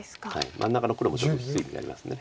真ん中の黒もちょっときつい意味あります。